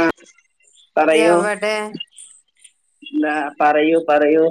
ആഹ് പറയൂ എവടെ ഇന്താ പറയൂ പറയൂ.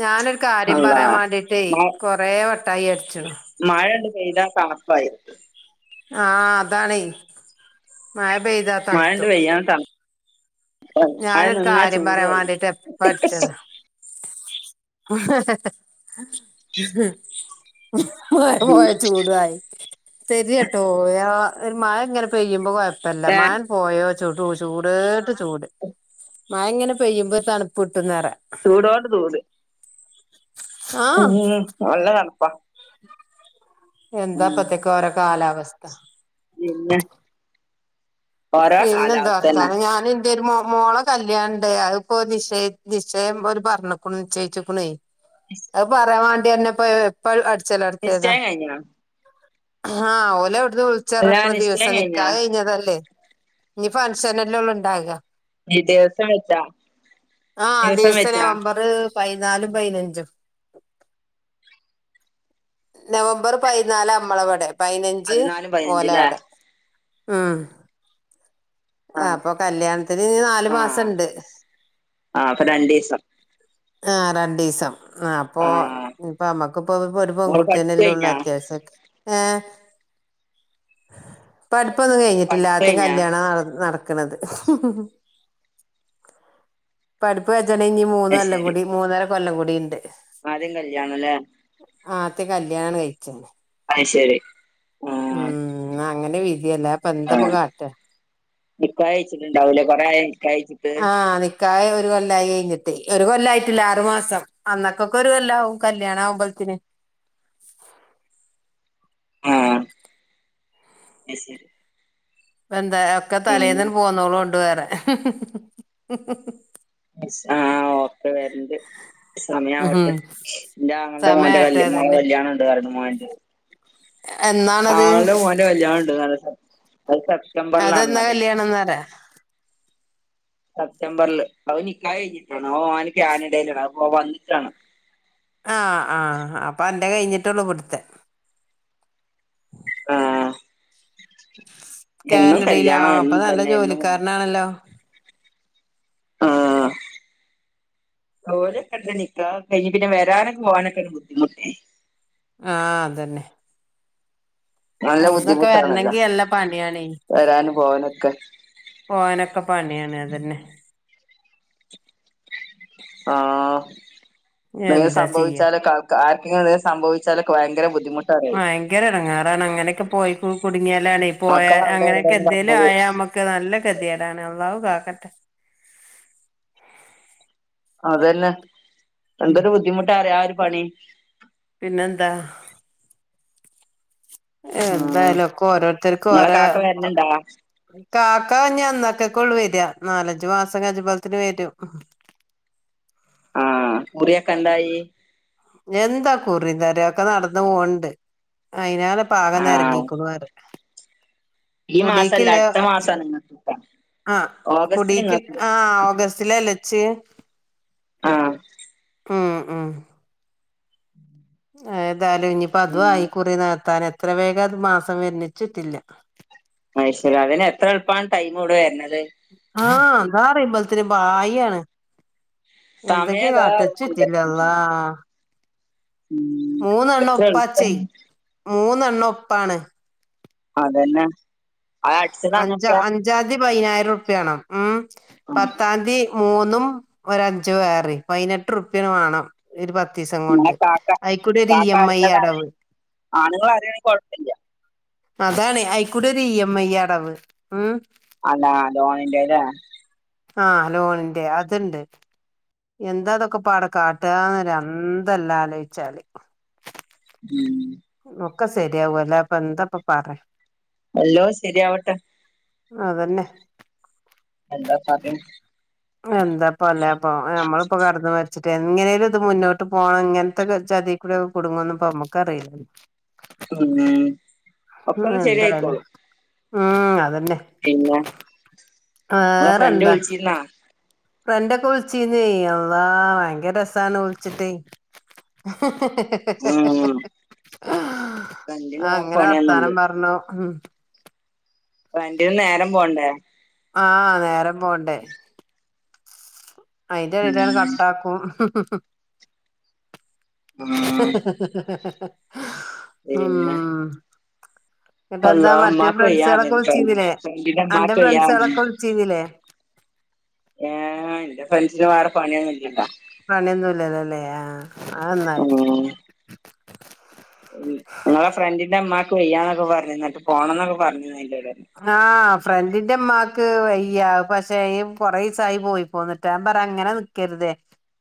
ഞാനൊരു കാര്യം അള്ളാ പറയാൻ വേണ്ടീട്ടേ മ കൊറേ വട്ടായി അടിച്ണ്. മഴണ്ട് പെയ്താ തണപ്പായി. ആഹ് അതാണെ മായപെഴ് മഴണ്ട് പെയ്യാൻ തണപ്പായി മഴ ഞാനൊരു നിന്നാ കാര്യം ചൂടു പറയാൻ ആയി. വാണ്ടീട്ട് എപ്പ അടിച്ചതാ [inaudible] ഉം മയപോയാ ചുടു ആയി. തെര്യാട്ടോ ഒരു മഴ ഇങ്ങനെ പെയ്യുമ്പോ കൊഴപ്പല്ല ഏഹ് മഴ പോയോ, ചുടു ചൂടേട്ട് ചൂട് മയ ഇങ്ങനെ പെയുമ്പോ ഒരു തണുപ്പ് കിട്ടുന്ന്പറയാം ചുടോട് ചൂട് [inaudible] ആഹ് ഉം നല്ലതണുപ്പാ എന്താ അപ്പത്തെക്കും ഓരോകാലാവസ്ഥ പിന്നെ ഓരോകാലാവസ്ഥന്നെ ത്തെ ഒരുമോളെകല്ലിയാണംണ്ട് അതിപ്പോ നിശ നിശ്ചയം ഒരു പറഞ്ഞെക്ക്ണു നിശ്ചയിച്ചെക്കുണെ അത് പറയാവാണ്ടി അന്നെപ്പ എപ്പൾഅടിച്ചലർത്തിയതാ നിശ്ചയം കഴിഞ്ഞോ ആഹ് എല്ലാ ഓലവടന്നുവിളിച്ചറഞ്ഞപ്പോൾ നിശ്ചയം ഒര്ദിവസം കഴിഞ്ഞോ നിക്കാഹ്കഴിഞ്ഞതല്ലേ ഇനി ഫങ്ഷൻ അല്ലെ ഒള്ള് ഉണ്ടാവുക ഈ ദിവസം വെച്ചാ ആഹ് ദിവസം നവംബറ് പതിനാലുംപതിനഞ്ചും നവംബർ പതിനാല് അമ്മളവിടെ പതിനഞ്ച് പതിനാലും പതിനഞ്ചുല്ലേ ഓലവടെ ഉം ആഹ് അപ്പൊ കല്യാണത്തിന് ഇനി നാലു മാസം ആഹ് ഇണ്ട് ആഹ് അപ്പൊ രണ്ടീസം ആഹ് രണ്ടീസം ആഹ് അപ്പൊ ആഹ് ഇന്നി നമ്മക്കിപ്പം ഒരു ഓള് പഠിപ്പ് പെൺകുട്ടിയന്നല്ലേ ഒള്ളു കഴിഞ്ഞാ അത്യാവശ്യം ഒക് ഏഹ് പഠിപ്പോന്നും കഴിഞ്ഞിട്ടില്ല പഠിപ്പ് ആത്യം കഴിഞ്ഞാ കല്ലിയാണം നടന് നടക്ക്ണത് പഠിപ്പ് കജനങ്കി അയ്ശരി മുന്ന്കൊല്ലംകുടി മൂന്നരകൊല്ലംകുടി ഇണ്ട് ആദ്യം കല്ലിയാണം ല്ലേ ആത്യം കല്ലിയാണം കഴിച്ചാന അയി ശെരി ഉം അങ്ങനെ വിധി അല്ലെ ആഹ് നിക്കാഹ് കഴിച്ചിട്ടുണ്ടാവുല്ലെ കൊറെയായോ നിക്കാഹ്കയിച്ചിട്ട് ആ നിക്കാഹ് ഒരുകൊല്ലമായികഴിഞ്ഞിട്ട് ഒരുകൊല്ലമായിട്ടില്ല ആറുമാസം അന്നക്കൊക്കെ ഒരുകൊല്ലാവും കല്യാണ ആവുമ്പോത്തിന് ആഹ് അത് ശെരി എന്താ ഒക്കെ തലേന്നന്ന് പോന്നോള കൊണ്ട് വേറെ ആഹ് ഓക്കെ വരണ്ട് ഉം സമയാവട്ടെ എന്റെ ആങ്ങളേടെ മോന്റെ കല് സമയാട്ടെ മോള തന്നെ കല്യാണണ്ട് [unintelligible] എന്നാണത് മോന്റെ കല്യാണം ഉണ്ട് അത് സെപ്റ്റംബറിലാണറിയത് [unintelligible] ന്നേര സെപ്റ്റംബറില് അത് നികാഹ്കഴിഞ്ഞിട്ടാണ് ഓന് ക്യാനടയിലാണ് ആവൊക്കെഓൻവന്നിട്ടാണ് ആഹ് ആഹ് അപ്പൊഅന്റെ കഴിഞ്ഞിട്ടുള്ളൂ ഇവുടുത്തെ ആഹ് എന്നും കല്യാണം എന്നും തന്നെ എന്നും ആണല്ലോ [inaudible] ഓരൊക്കെണ്ട് നിക്കാഹൊക്കെ കഴിഞ്ഞിട്ട് പിന്നെവരാനും പോകാനൊക്കെ ഒരു ബുദ്ദിമുട്ടെ ആഹ് അതന്നെ നല്ല ബുദ്ധിമുട്ടാണല്ലോ അവിടന്നൊക്കെവരണെങ്കി നല്ല പണിയാണേ വരാനും പോവാനൊക്കെ പോകാനൊക്കെപണിയാണ് അതന്നെ ആഹ് [unintelligible] എന്താ ചെയ്യാ സംഭവിച്ചാല് കൽ ആർക്കെങ്കിലുംഎന്തെങ്കിലും സംഭിച്ചാലൊക്കെ ഭയങ്കരബുദ്ദിമുട്ട് ഭയങ്കരയേടങ്ങേറാണ് അങ്ങനൊക്കെപോയികുടുങ്ങിയാലാണെ പോയാ മക്കള് അവിടെ അങ്ങനൊക്കെ ഇവിടെന്ന് എന്തേലും പറഞ്ഞത് ആയാ നമ്മക്ക് ക്ക് നല്ല കെത്യേടാണ് അള്ളാഹു കാക്കട്ടെ അതന്നെ ഉം എന്തൊരു ബുദ്ധിമുട്ടാറ്യോ ആ ഒര് പണി പിന്നെന്താ ഉം എന്തായാലൊക്കെ ഓരോരുത്തർക്കും നിങ്ങളെ ഒരോ കാക്ക പ വരണുണ്ടാ കാക്ക ഇഞ്ഞ് അന്നക്കക്കൊള്ളു വെരാ നാലഞ്ച് മാസം കജ്ജ്മ്പോത്തിനു വരും ആഹ് കുറിയൊക്കെ എന്തായി എന്താ കുറിം തറിയൊക്കെ നടന്ന് പോവ്ണ്ട് അയിനാലെ ഇപ്പാകെ ആഹ് നെരങ്ങിക്ക്ണുറ്യാ ഈ മാസല്ല കുടീക്ക്ല്ലാ അടുത്ത മാസാണ് നിങ്ങക്ക് ആഹ് ഓഗസ്റ്റില് കുടീക്ക് നിങ്ങക്ക് ആഹ് ഓഗസ് റ്റ്ലല്ലേച്ച് ആഹ് ഉം ഉം ഏതായാലും ഇനിയിപ്പോ അതും ഉം ആയി കുറി നികത്താന് എത്ര വേഗം ഇത് മാസം വര്നെ ഇച്ച്ച്ചല്ല അത് ശെര്യാ അതെന്നെ എത്ര എള്പ്പാണ് ടൈമ് ഇവടെ വര്ണത് ആഹ് ഇതാറിയുമ്പളത്തിന് പായ്യ്യാണ് എന്തെക്കെ സമയതാ കാട്ട ഇച്ച്ച്ചല്ല ഉം അള്ളാഹ് മൂന്നെണ്ണം എത്ര ഒപ്പാച്ചേ എളുപ്പം മൂന്നെണ്ണം ഒപ്പാണ് അതന്നെ അത് അഞ്ച് അടിച്ചതാണൊക്കെ അഞ്ചാംതീ പതിനായിരം ഉറ്പ്യാണം ഉം ആഹ് പത്താംതീ മൂന്നും ഒരഞ്ച് വേറിം പയിനെട്ട്റുപ്യാണ്ട് വാണം ഈ ഒര് പത്തീസം ഇങ്ങളെ കൊണ്ട് കാക്ക അയിക്കൊര് ഇ എം ഐ അടവ് ആണ്ങ്ങളാരേണെ കൊഴപ്പല്ല അതാണ് അയിക്കൂടൊര് ഇഎംഐ അടവ് ഉം അതാ ലോണിന്റെ ലേ ആഹ് ലോണിന്റെ അത്ണ്ട് എന്താ ഇതൊക്കെ പാടെ കാട്ടാന്നോര് അന്തല്ല ആലോയിച്ചാല് ഉം ഒക്കെ സെര്യാവും അല്ലാ ഇപ്പൊ എന്താപ്പം പറ്യാ എല്ലോ ശരിയാവട്ടെ അതന്നെ എന്താ പറ്യാ എന്താപ്പ അല്ലാപ്പം നമ്മള്പ്പം കാട്ട്ന്നമാരി ച്ചിട്ട് എങ്ങനേലും ഇത് മുന്നോട്ട് പോവണം ഇങ്ങനത്തൊക്കെ ചതിക്കൂടെ കുട്ങ്ങുന്ന്പ്പോ നമ്മക്കറീലല്ലോ ഉം ഉം ഒക്കൊന്ന് എന്തായാലും ശരിയായിക്കോളും ഉം അതന്നെ പിന്നെ ഇങ്ങളെ ഫ്രണ്ട് വേറെന്താ വിളിച്ചിര്ന്നോ? ഫ്രണ്ടൊക്കെ വിളിച്ചീന്നെ അള്ളാ ഭയങ്കര രസാണ് വിളിച്ചിട്ടെ ഹഹഹഹഹഹഹ ഉം ഫ്രണ്ടിന് ആഹ് വേറെ അങ്ങനെ വർത്താനം പണിയൊന്നുല്ല പറഞ്ഞു ഉം ഫ്രണ്ടിന് നേരം പോണ്ടേ ആഹ് നേരം പോണ്ടേ അയിന്റെ എടേലാണ്ട് ഉം കട്ടാക്കും ആഹ് ആഹഹഹഹഹഹ പിന്നെ ഇങ്ങട്ടെന്താ അള്ളാ മറ്റേ ഉമ്മാക്ക് ഫ്രണ്ട്സേളൊക്കെ വയ്യാറിയും ഫ്രണ്ട് വിളിച്ചീന്നിലേ ഫ്രണ്ടിന്റെ അന്റെ ഉമ്മാക്ക് വയ്യാറിയും ഫ്രണ്ട്സേളൊക്കെ വിളിച്ചീന്നിലേ ഏഹ് എന്റെ ഫ്രണ്ട്സിന് വേറെ പണിയൊന്നുമില്ലല്ലോ പണിയൊന്നുമില്ലല്ലേ ആഹ് അന്നായി ഉം നിങ്ങടെ ഫ്രണ്ടിന്റെ അമ്മാക്ക് വയ്യാന്നൊക്കെ പറഞ്ഞിരുന്നിട്ട് പോണന്നൊക്കെ പറഞ്ഞിരുന്നില്ലേടെ ആഹ് ഫ്രണ്ടിന്റെയുമ്മാക്ക് വയ്യ പക്ഷേ കൊറെ ദിവസായി പോയി പോന്നിട്ട് ഞാൻ പറ അങ്ങനെ നി കരുതേ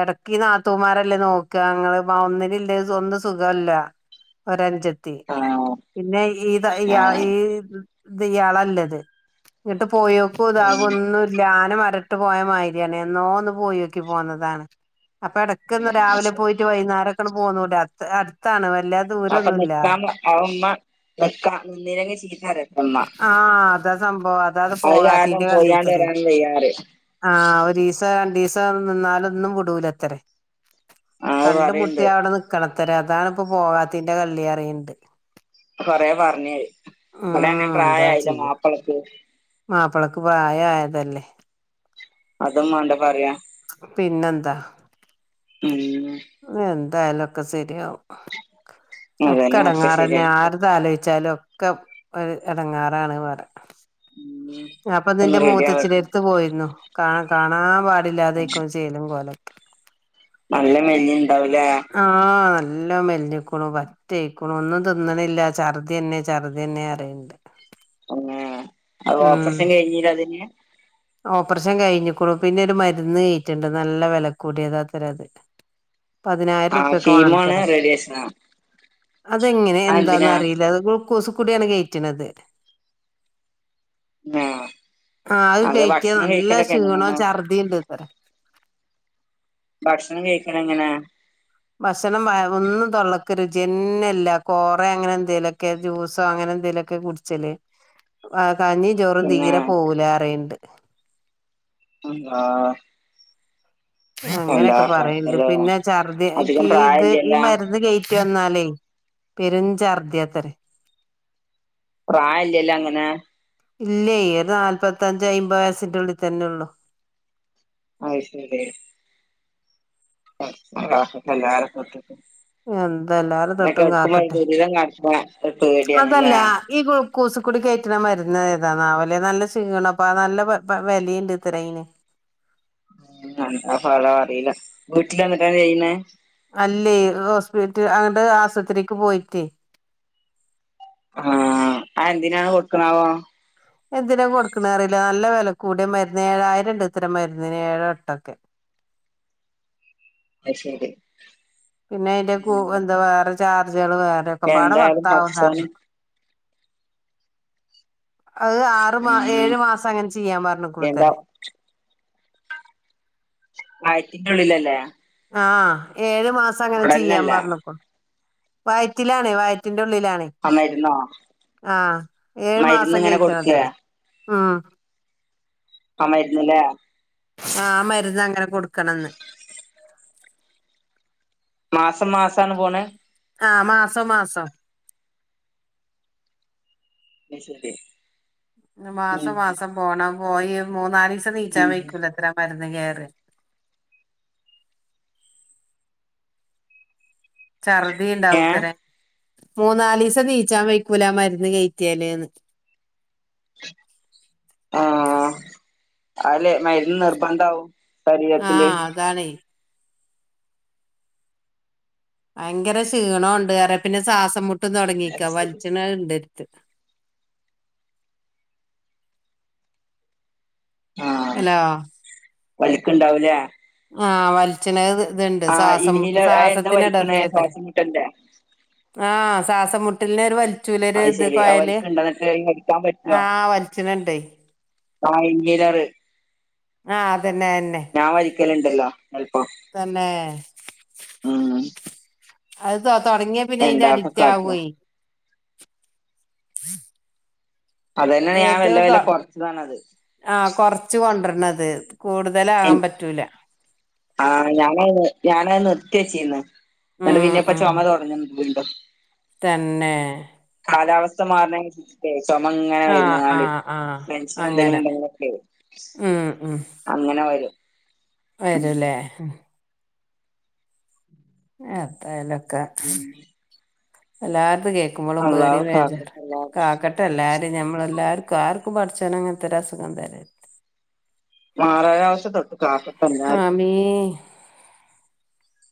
ഇടക്ക് ഈ നാത്തൂമാരല്ലേ നോക്ക്ആ, ങ്ങള് മാ ഒന്നിനില്ലേ ഒന്ന് സുഖല്ല. ഒരഞ്ചത്തി, ആഹ് പിന്നെ ഈത ഈ ആ ആഹ് ഈ. ഇത് ഇയാളല്ലത്. ഇങ്ങിട്ട് പോയോക്കും ഇതാകും ഉം ഒന്നുമല്ല ആന മര ഇട്ട് പോയ മായിരിയാണ്, എന്നോ ഒന്ന് പോയോക്കി പോന്നതാണ്. അപ്പ ഇടക്ക്ന്ന രാവിലെ ഉം പോയിട്ട്, വൈന്നാരൊക്കെങ്ങട്ട് പൊന്നൂടെ, അത്രെ അടുത്താണ് വല്ലാത അപ്പൊ നിക്കാമു ആ ഉമ്മ നിക്കാ നിന്നിലെങ്കി ചീത്തറയ ആഹ് അതാ സംഭവ അതാ അത് പോകാ കാരണം ത്തീന്റെ പോയാണ്ട് കൻഡീസന്. വരാനും വയ്യാറിയും അഹ് ഒരീസ രണ്ടീസ നിന്നാലൊന്നും വ്ടൂലത്രേ. അത് കണ്ട് മുട്ടി പറയണ്ട് അവിടെ നിക്കണത്തറെ, അതാണ് പ്പപ്പോവാത്തീന്റെറെ കള്ളിയറിയ്ണണ്ട്. കൊറേ പറഞ്ഞ, വ്ടെണെ ഉം പ്രായായില്ലേ മാപ്പളക്ക്. മാപ്പളക്ക് പ്രായായതല്ലേ. അതും വാണ്ടേ പറയാ. പിന്നെന്താ? പിന്നെ എന്തായാലൊക്കെ സെരിയാവും. ഒക്ക അതന്നെ ഒക്കെ എടേങ്ങാറന്നെ, ശരിയാക്കി ആരതാലോയിച്ചാലും. ഒക്കെ ഒരു ഇടങ്ങാറാണ് പറ. ഉം ഞാപ്പൊ ദാ ഒന്ന് ന്റെ റെഡി ആവട്ടെ മൂത്തച്ചിടെ പോയിരുന്നു. കാ കാണാൻ പാടില്ലാതെയ്ക്കും ചേലും കോലെക്കെ. നല്ല മെല്ലിഞ്ഞീണ്ടാവുലേ? ആഹ് നല്ല മെലിഞ്ഞുക്കുണു പ തേക്കുണു ഒന്നും തിന്നണില്ല ചറുതിയ ന്നെ ചറുദിയന്നെഅറിയണ്ട്. അന്നെ ഓപ്പറേഷൻ കഴിഞ്ഞലതിന്? ഓപ്പറേഷൻ കഴിഞ്ഞിക്കുണു, പിന്നെ ഒരു മരുന്ന് കേറ്റ്ണ്ട്, നല്ല വെല ക്കൂടിയതാത്തറെ അത്. ആ പതിനായിരറുപ്യൊക്കെ കീമോണ് വാണത്രെ, റേഡിയേഷനാ അതെങ്ങനെ എന്താന്ന് അതെന്തിനാ അറിയീല അത് കൂസ്ക്കൂടിയാണ് കേറ്റ്ണത്. ഉം ആഹ് അത് കയറ്റിയ നല്ല ശീണോ എങ്ങനെയാണ് ഛർദിണണ്ടത്രെ. ഭക്ഷണം കഴിക്കണ എങ്ങനേ? ഭക്ഷണം വയ ഒന്നും തൊള്ളക്കു രുചി യെന്നല്ല. കോറെ അങ്ങനെ എന്തേലൊക്കെ ജൂസോ അങ്ങനെ എന്തേലൊ ഒക്കെ കുടിച്ചല്, കഞ്ഞീ ചോറും പിന്നെ തീരെ പോകൂലാറീണ്ട്. [unintelligible] എന്താ അങ്ങനെയൊക്കെ പറയണ്ട്. ഭക്ഷണത്തില് പിന്നെ ഛർദി ഇക്ക് അധികം ഈ ഇത് ഈ പ്രായമില്ലല്ലോ മരുന്ന് കയ് പറ്റ ഒന്നാലേ പെരുഛർദ്യാതറെ. പ്രായ ഇല്ലല്ലോ അങ്ങനെ ഇല്ലയ് ഒരു നാല്പത്തഞ്ച് അയിമ്പത് വയസ്സിന്റെ ഉള്ളി തന്നെ ഉള്ളു. അയ് ശരി ല്ല എല്ലാരകൊത്ത എന്തെല്ലാരും തൊട്ടും പ്പ മൂ കാക്കട്ടെ നടക്ക്ണെ പേടിയാണല്ല? അതല്ല ഈ കുൾക്കൂസ്ക്കൂടി കയറ്റണ മരുന്ന് ഏതാണാവല്ലേ? നല്ല ശീണഅപ്പ നല്ല വെലീണ്ട്ല്ലേ പ്പത്രേയീന്. ഉാ ഫലം അറിയീല. വീട്ടില് വന്നിട്ടാ ചെയ്യ്ന്ണെ? അല്ലേ ഹോസ്പിറ്റ് അങ്ങട്ട് ആസുപത്രിക്ക് പോയിറ്റ്. ആഹ് അഹ് എന്തിനാണ് കൊടുക്ക്ണാവോ. എന്തിനാ കൊടുക്ക്ണെ അറീല, നല്ല വെല കൂടിയ മര്ന്ന്, ഏഴായിരണ്ട്ത്രെ മരുന്നിന് ഏഴൊ എട്ടൊക്കെ. അയ് ശരി. പിന്നെ അയ്ന്റെ കൂ ഉം എന്താ വേറെ ചാർജാള് വേറെ ഒക്കെപാടെ എന്തായാലും പത്താവും പടച്ചോന് ന്നർഞ്ഞു അഹ് ആറ് മാ ഉം ഏഴു മാസഅങ്ങനെ ചെയ്യാൻ എന്താ പറഞ്ഞ്ക്ക്ണൂത്തരെ വയത്തിന്റെ ഉള്ളിലല്ലേ ആഹ് ഏഴ് മാസഅങ്ങനെ ചെയ്യാൻ കുടലിനല്ല പറഞ്ഞ്ക്കുണു. വയറ്റിലാണേ വയറ്റിന്റെ ഉള്ളിലാണേ ആ മരുന്നോ ആഹ് ഏഴ് മരുന്ന് മാസം ഇങ്ങനെ കൊടുക്കേ കെയിറ്റണത്തരെ ഉം ആ മര്ന്ന് ല്ലേ ആഹ് ആ മര്ന്ന് അങ്ങനെ കൊട്ക്കണംന്ന് മാസം മാസാണ് പോണഹ് ആഹ് മാസം മാസം അയ് ശരി ന്ന് ഉം മാസം മാസം പോണം പോയി മൂന്നാലിസം നീചാം ഉം വെക്കൂലത്രെ ആ മര്ന്ന് കേറിയാല് ഛർദി ഏഹ് ഇണ്ടാവുത്തരെ മൂന്നാലിസം നീച്ചാൻ വെയ്ക്കൂല ആ മര്ന്ന് കേറ്റിയാല്ന്ന് ആഹ് അഹ് ല്ലെ മര്ന്ന് നിർബന്ധവും ശരീരത്ത്ല് അതാണെയ് ഭയങ്കര ക്ഷീണോണ്ട് അറ്യ പിന്നെ ശ്വാസം മുട്ടും അത് തൊടങ്ങിക്കാ ശരി വലിച്ച്ണഹ് ഇണ്ട് എര്ത്ത് ആഹ് അലോ വലിക്ക്ണ്ടാവുല്ലേ ആഹ് വൽച്ച്ണെഹ് ഇത് ഇത്‌ണ്ട് ആഹ് സാസം മുട്ട് ഇൻഹീലർ അത് എന്താ സാസത്തിന് വലിക്കണേ എടർചേത്ത് രെ ശ്വാസം മുട്ടലിന്റെ ആഹ് സാസംമുട്ടൽന് ഒര് വൽ ചൂലെ ഒര് അത് ഇത് ശെരി അത് കൊയല് വലിക്ക്‌ണ്ടോ ന്നിട്ട് വലിക്കാൻ ആഹ് വൽച്ച്ണെഹ് ഇണ്ടെയ് ആഹ് ഇൻഹീലറ് ആഹ് അതന്നെ അയന്നെ ഞാൻ വലിക്കല്ണ്ടല്ലോ ചെൽപ്പൊ തന്നെ ഉം അഹ് താതൊടങ്ങിയാപിന്നെ അയിന്റെ എന്താപ്പ അഡിക്റ്റ് കാട്ടാ ആവൊയ് ഹ [unintelligible] അതെന്നേണ് ഞാൻ വെല്ലെ വെല്ലെ കൊർച്ചതാണത് ആഹ് കൊർച്ച് കൊണ്ടര്ണം അത് കൂടുതലാവാൻ പറ്റൂല ആണ് ഞാനയ്ന് ഞാനത് നിർത്തിയെച്ചിന്ന് ന്നട്ട് ഉം പിന്നെ പ്പൊ ചൊമ തൊടങ്ങ്ണ്ട് വീണ്ടും തെന്നേ കാലാവസ്ഥ മാറ്ണേന് അൻസരിച് ക്കെയ് ചൊമ ഇങ്ങനെ ആഹ് ആഹ് വെര്ന്ന്ങ്ങാണ്ടിരിക്കും ആഹ് ടെൻഷനെന്തെങ്കിലും അങ്ങനെ ഇന്ടെങ്കിലൊക്കെയ് ഉം അങ്ങനെ വരും ഉം വരും ല്ലേ ഉം എത്തായാലൊക്കെ പിന്നെ എല്ലാര്തും കേ ക്ക്മ്പളും അള്ളാഹു പേടീം ബേജാറും കാക്കട്ടെ എല്ലാരിം കാക ട്ടെല്ലാരീം ഞമ്മളെല്ലാര്ക്കും ആർക്കും പടച്ചോന് അങ്ങൻത്തൊരു അസുഖം തരാ മാരാവ്യാസത്തെ തൊട്ട് കാക്കട്ടെ എല്ലാര്ക്കും മീൻ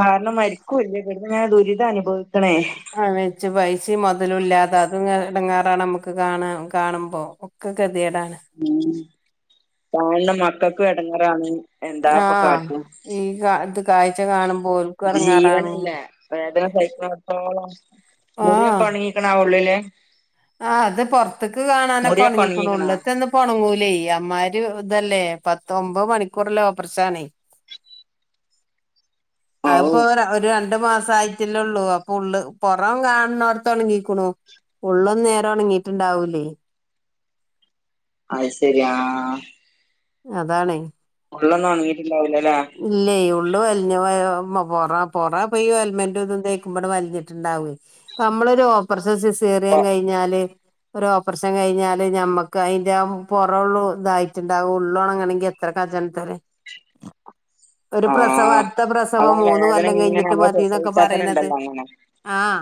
കാരണം മരിക്കൂല്ലേ പിന്നെങ്ങനെ ദുരിതം അനുഭവിക്കണേ ആ വെച്ച് പൈസയും മൊതലും ഇല്ലാതെ അതും എടങ്ങേറാണ് നമ്മക്ക് കാണാ കാണുമ്പോ ഒക്കെ ഗതികേഡാണ് ഉം തായെള്ള മക്കൾക്കും എടങ്ങേറാണ് എന്താപ്പൊ ആഹ് കാട്ടാ ഈ കാ ഇത് കായ്ച്ച കാണു ജീവനല്ലേ വേദന സഹിക്കണട്ത്തോളം ആഹ് മുറിയൊക്കൊ ഒണങ്ങി ക്കണാവൂള്ളൂലെ ആഹ് അത് പൊറത്തക്ക് കാണാനൊക്കെ മുറിയൊക്കെ ഒണങ്ങിക്കുണൂ ഒണങ്ങിക്കണാ ഉള്ള്ത്തൊന്നും ഒണങ്ങൂലേ അമ്മാരി ഇതല്ലേ പത്ത് ഒമ്പത് മണിക്കൂറ്‌ള്ളെ ഓപ്പർഷാണെ ഔ അത്പ്പോ ഒര ഒരു ര രണ്ട് മാസം ആയിറ്റല്ലോള്ളൂ അപ്പൊ ഉള്ള് പൊറം കാണണോടത്ത് ഒണങ്ങീക്കുണു ഉള്ളൊന്നും നേരെ ഒണങ്ങിട്ട്ണ്ടാവൂലേ അത് ശരി ആഹ് ആഹ് അതാണെ ഉള്ളൊന്നും ഒണങ്ങീട്ട്ണ്ടാവൂലാല്ലേ ഇല്ലേ ഉള്ള് വലിഞ്ഞ [unintelligible] പൊറ പൊറ ഇപ്പ ഈ ഓയിൽമെൻ്റ് ഇതും തേക്കുമ്പാട് വലിഞ്ഞിട്ട്ണ്ടാവേ നമ്മളൊരു ഓപ്രഷൻ സീസേറിയാൻ കഴിഞ്ഞാല് ഒരു ഓപ്പറേഷൻ കഴിഞ്ഞാല് ഞമ്മക്ക് അയിന്റെ ആ പൊറൊള്ളൂ ഇതായിറ്റ്ണ്ടാവും ഉള്ളൊണങ്ങണെങ്കി എത് എത്ര [unintelligible] ഒരു പ്രസവം ആഹ് അടുത്ത പ്രസവം അതാ മൂന്ന് വേദന കൊല്ലം ഇങ്ങനെ കഴിഞ്ഞിട്ട് നമ്മള് മതീന്നൊക്കെ പ്രസവിച്ചാ തന്നെ പറയണത് ഇണ്ടല്ലോ അങ്ങനെ ആഹ്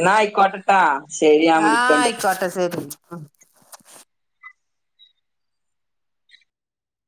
എന്നാ ആഹ് ആയിക്കോട്ടെട്ടാ ശരി ഞാൻ വിളിക്കണ്ട് ആയിക്കോട്ട സെരി